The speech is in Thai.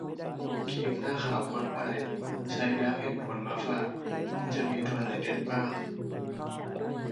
ครีมหน้าขาว ปลอดภัย ใช้แล้วเห็นผลมาฝาก จะมีตัวไหนเด็ดบ้าง